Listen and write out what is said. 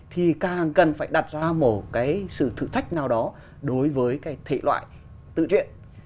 thì càng cần phải đặt ra một cái sự thử thách nào đó đối với cái thể loại tự trị